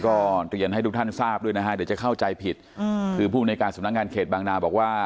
ก็เรียนให้ทุกท่านทราบด้วยนะฮะเดี๋ยวจะเข้าใจผิดคือภูมิในการสำนักงานเขตบางนาบอกว่า